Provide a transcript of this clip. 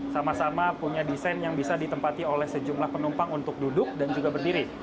sama sama punya desain yang bisa ditempati oleh sejumlah penumpang untuk duduk dan juga berdiri